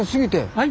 はい。